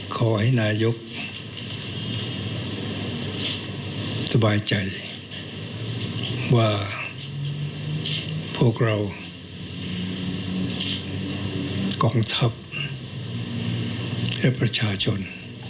ขอให้นายกสบายใจว่าพวกเรากองทัพและประชาชน